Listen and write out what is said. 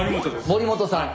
森本さん。